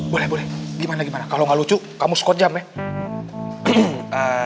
boleh boleh gimana gimana kalau gak lucu kamu squat jump ya